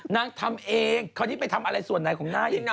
นางทำเองคราวนี้ไปทำอะไรส่วนไหนของนางเอง